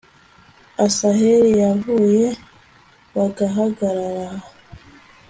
asaheli yaguye bagahagarara